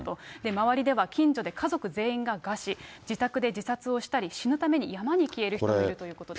周りでは近所で家族全員が餓死、自宅で自殺をしたり、死ぬために山に消える人もいるということです。